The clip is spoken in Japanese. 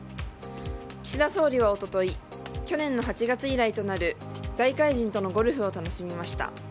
岸田総理は、一昨日去年の８月以来となる財界人とのゴルフを楽しみました。